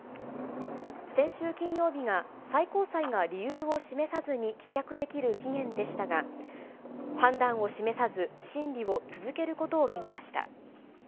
先週金曜日が、最高裁が理由を示さずに棄却できる期限でしたが、判断を示さず、審理を続けることを決めました。